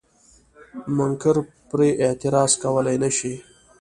منکر پرې اعتراض کولای نشي.